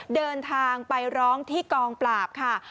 เดินทางไปร้องที่กองปราบค่ะ